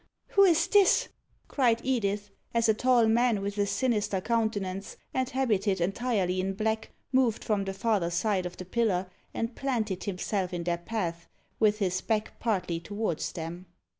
"Ha! who is this?" cried Edith, as a tall man, with a sinister countenance, and habited entirely in black, moved from the farther side of the pillar, and planted himself in their path, with his back partly towards them.